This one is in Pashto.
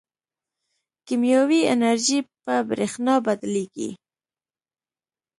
کیمیاوي انرژي په برېښنا بدلېږي.